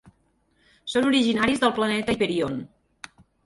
Són originaris del planeta Hyperion.